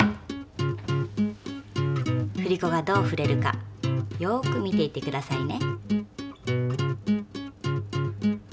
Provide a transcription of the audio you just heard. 振り子がどう振れるかよく見ていてくださいね。